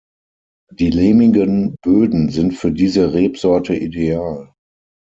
Die lehmigen Böden sind für diese Rebsorte ideal.